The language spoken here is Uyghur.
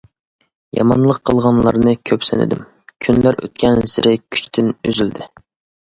يامانلىق قىلغانلارنى كۆپ سىنىدىم، كۈنلەر ئۆتكەنسېرى كۈچتىن ئۈزۈلدى.